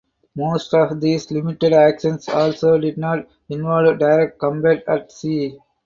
Most of these limited actions also did not involve direct combat at sea.